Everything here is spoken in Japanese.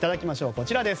こちらです。